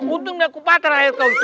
untung aku patah air kau itu